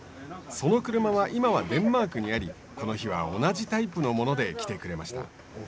その車は今はデンマークにありこの日は同じタイプのもので来てくれました。